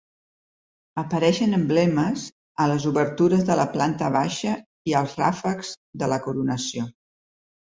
Apareixen emblemes a les obertures de la planta baixa i als ràfecs de la coronació.